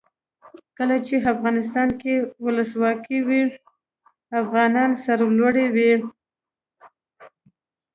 کله چې افغانستان کې ولسواکي وي افغانان سرلوړي وي.